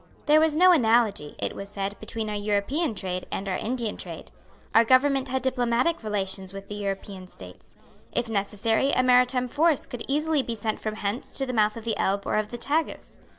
There was no analogy, it was said, between our European trade and our Indian trade. Our government had diplomatic relations with the European States. If necessary, a maritime force could easily be sent from hence to the mouth of the Elbe or of the Tagus.